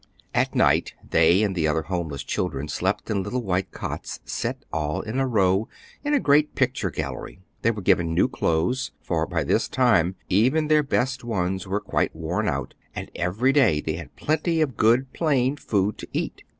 At night they and the other homeless children slept in little white cots set all in a row in a great picture gallery. They were given new clothes, for by this time even their best ones were quite worn out, and every day they had plenty of good plain food to eat.